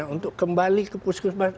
untuk kembali ke puskesmas